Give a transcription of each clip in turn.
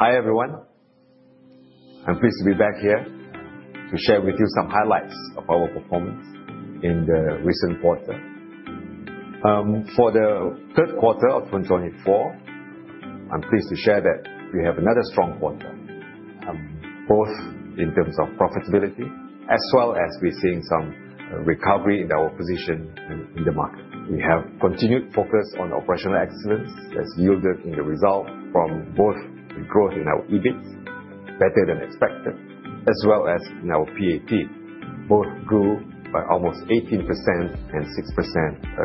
Hi everyone, I'm pleased to be back here to share with you some highlights of our performance in the recent quarter. For the third quarter of 2024, I'm pleased to share that we have another strong quarter, both in terms of profitability as well as we're seeing some recovery in our position in the market. We have continued focus on operational excellence as yielded in the result from both the growth in our EBIT, better than expected, as well as in our PAT, both grew by almost 18% and 6%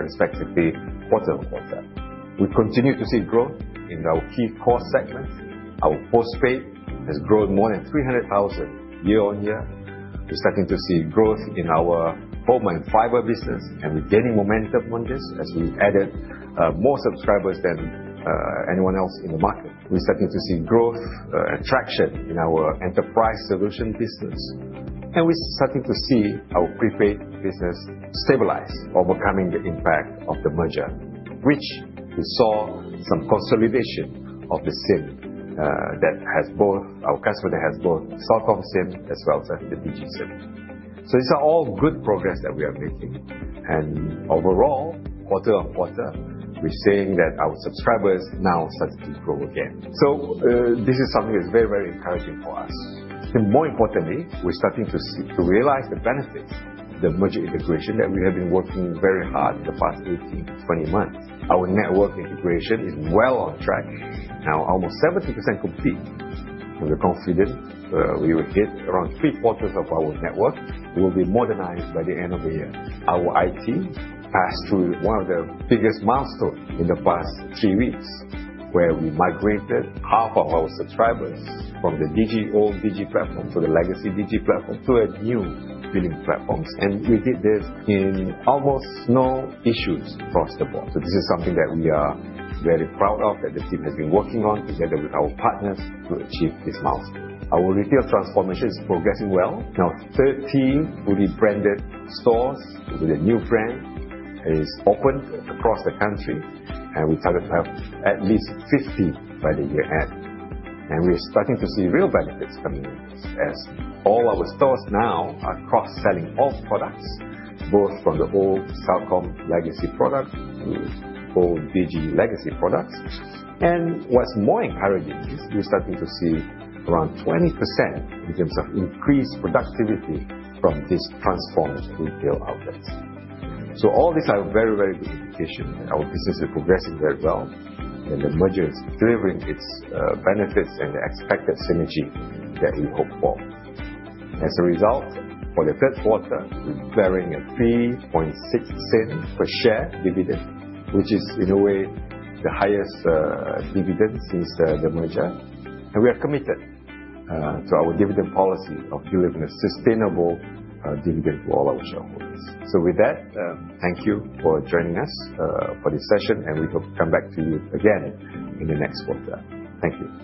respectively quarter-on-quarter. We continue to see growth in our key core segments. Our postpaid has grown more than 300,000 year-on-year. We're starting to see growth in our home and fiber business, and we're gaining momentum on this as we added more subscribers than anyone else in the market. We're starting to see growth and traction in our enterprise solution business, and we're starting to see our prepaid business stabilize, overcoming the impact of the merger, which we saw some consolidation of the SIM that has both our customer that has both Celcom SIM as well as the Digi SIM. So these are all good progress that we are making, and overall, quarter-on-quarter, we're seeing that our subscribers now started to grow again. So this is something that's very, very encouraging for us. More importantly, we're starting to realize the benefits of the merger integration that we have been working very hard in the past 18 to 20 months. Our network integration is well on track, now almost 70% complete. We're confident we will hit around three quarters of our network. We will be modernized by the end of the year. Our IT passed through one of the biggest milestones in the past three weeks, where we migrated half of our subscribers from the old Digi platform to the legacy Digi platform to a new billing platform, and we did this in almost no issues across the board. So this is something that we are very proud of that the team has been working on together with our partners to achieve this milestone. Our retail transformation is progressing well. Now, 13 fully branded stores with a new brand is open across the country, and we target to have at least 50 by the year end. And we're starting to see real benefits coming in as all our stores now are cross-selling all products, both from the old Celcom legacy products to old Digi legacy products. And what's more encouraging is we're starting to see around 20% in terms of increased productivity from these transformed retail outlets. So, all these are very, very good indications that our business is progressing very well and the merger is delivering its benefits and the expected synergy that we hope for. As a result, for the third quarter, we're declaring a 3.6% per share dividend, which is in a way the highest dividend since the merger, and we are committed to our dividend policy of delivering a sustainable dividend for all our shareholders. With that, thank you for joining us for this session, and we hope to come back to you again in the next quarter. Thank you.